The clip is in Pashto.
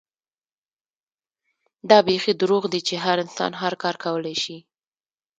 دا بيخي دروغ دي چې هر انسان هر کار کولے شي